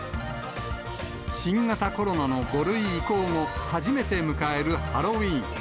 新型コロナの５類移行後、初めて迎えるハロウィーン。